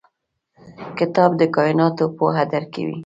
کتاب د کایناتو پوهه درکوي.